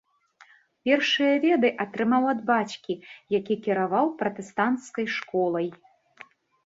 Першыя веды атрымаў ад бацькі, які кіраваў пратэстанцкай школай.